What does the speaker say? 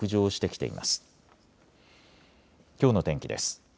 きょうの天気です。